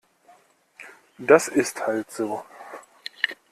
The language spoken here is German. Das ist halt so.